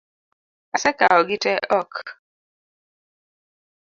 Asekawo gite ok.